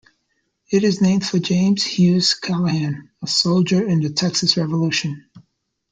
It is named for James Hughes Callahan, a soldier in the Texas Revolution.